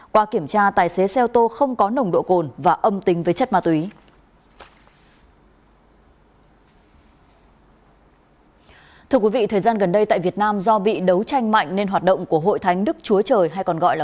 qua kiểm tra tài xế xe ô tô không có nồng độ cồn và âm tính với chất ma túy